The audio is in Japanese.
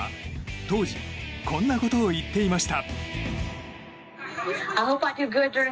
当時、こんなことを言っていました。